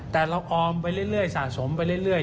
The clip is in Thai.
แต่เราออมไปเรื่อยสะสมไปเรื่อย